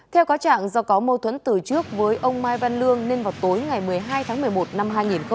theo cáo trạng do có mâu thuẫn từ trước với ông mai văn lương nên vào tối ngày một mươi hai tháng một mươi một năm hai nghìn một mươi ba